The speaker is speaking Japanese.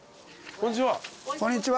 こんにちは。